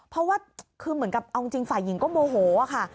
เพราะว่าคือเหมือนกับเอาจริงฝ่ายหญิงก็โมโหค่ะ